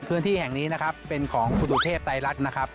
พื้นที่แห่งนี้นะครับเป็นของคุณตุเทพไตรรัฐนะครับ